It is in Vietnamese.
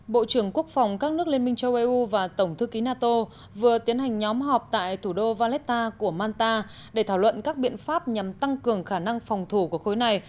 bộ trưởng quốc phòng các nước liên minh châu âu và tổng thư ký nato vừa tiến hành nhóm họp tại thủ đô valetta của manta để thảo luận các biện pháp nhằm tăng cường khả năng phòng thủ của khối này